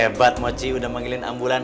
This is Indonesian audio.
hebat mochi udah manggilin ambulan